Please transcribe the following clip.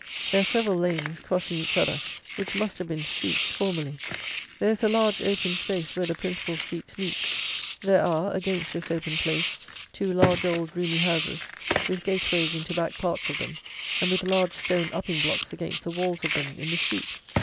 There are several lanes, crossing each other, which must have been streets formerly. There is a large open space where the principal streets meet. There are, against this open place, two large, old, roomy houses, with gateways into back parts of them, and with large stone upping blocks against the walls of them in the street.